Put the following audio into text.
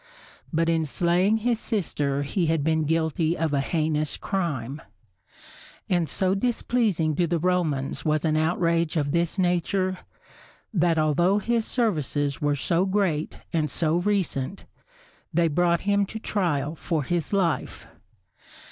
But in slaying his sister he had been guilty of a heinous crime. And so displeasing to the Romans was an outrage of this nature, that although his services were so great and so recent, they brought him to trial for his life.